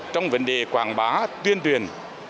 trong vấn đề quảng bá tuyên truyền